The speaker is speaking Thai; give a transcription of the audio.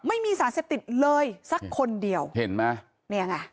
ไม่มีสารเสพติดเลยสักคนเดียวเห็นไหมเนี่ยไง